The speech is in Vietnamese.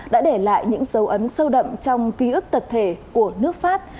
đã để lại những dấu ấn sâu đậm trong ký ức tập thể của nước pháp